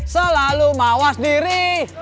selalu mawas diri